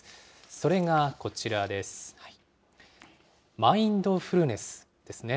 それがこちらです。